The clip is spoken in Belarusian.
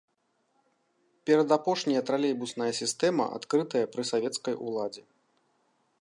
Перадапошняя тралейбусная сістэма, адкрытая пры савецкай уладзе.